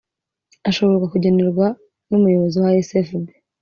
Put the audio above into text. ashobora kugenerwa n umuyobozi wa sfb